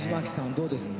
どうですか？